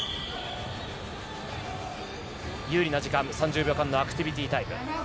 川井に有利な時間、３０秒間のアクティビティタイム。